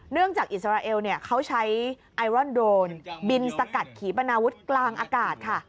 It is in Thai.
เนื่องจากอิสราเอลเนี่ยเขาใช้ไอรอนโดรนบินสกัดขี่บรรนาวุธกลางอากาศค่ะ